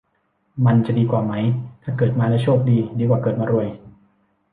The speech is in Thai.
มันจะดีกว่าไหมถ้าเกิดมาแล้วโชคดี ดีกว่าเกิดมารวย